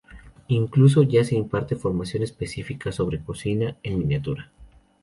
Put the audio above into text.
Incluso ya se imparte formación específica sobre cocina en miniatura.